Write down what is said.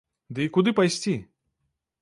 Ды і куды пайсці?